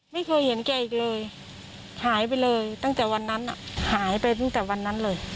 ไม่เคยเห็นแกอีกเลยหายไปเลยตั้งแต่วันนั้นหายไปตั้งแต่วันนั้นเลย